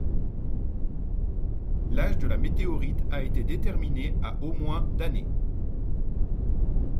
L'âge de la météorite a été déterminé à au moins d'années.